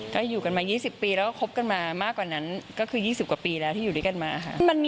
ก็อยู่กันมา๒๐ปีแล้วก็คบกันมามากกว่านั้นก็คือ๒๐กว่าปีแล้วที่อยู่ด้วยกันมาค่ะ